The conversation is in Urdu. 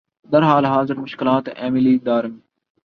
در حال حاضر مشکلات ایمیلی دارم